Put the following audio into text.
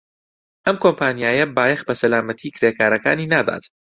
ئەم کۆمپانیایە بایەخ بە سەلامەتیی کرێکارەکانی نادات.